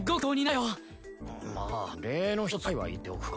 まあ礼の一つくらいは言っておくか。